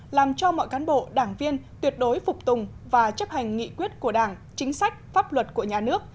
làm cho mọi cán bộ đảng viên tuyệt đối phục tùng và chấp hành nghị quyết của đảng chính sách pháp luật của nhà nước